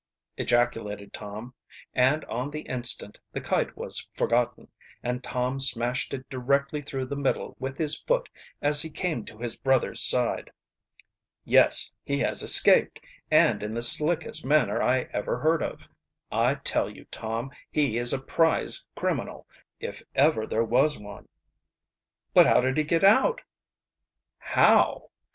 ejaculated Tom, and on the instant the kite was forgotten, and Tom smashed it directly through the middle with his foot as he came to his brother's side. "Yes, he has escaped, and in the slickest manner I ever heard of. I tell you, Tom, he is a prize criminal, if ever there was one." "But how did he get out?" "How?